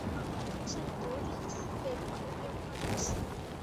圣博利兹人口变化图示